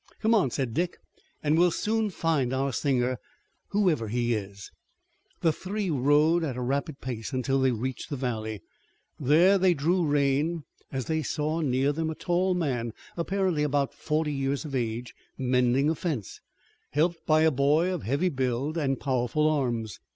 "Come on," said Dick, "and we'll soon find our singer, whoever he is." The three rode at a rapid pace until they reached the valley. There they drew rein, as they saw near them a tall man, apparently about forty years of age, mending a fence, helped by a boy of heavy build and powerful arms.